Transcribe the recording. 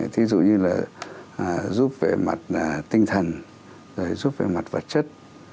thí dụ như là giúp về mặt tinh thần giúp về mặt vật chất